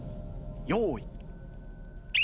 用意。